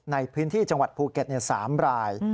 ในพื้นที่จังหวัดภูเก็ต๓ราย